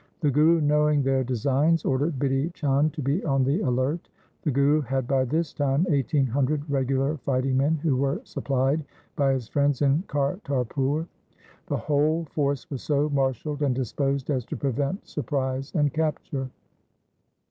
The Guru knowing their designs ordered Bidhi Chand to be on the alert. The Guru had by this time eighteen hundred regular fighting men who were supplied by his friends, in Kartarpur. The whole force was so marshalled and disposed as to prevent surprise and capture.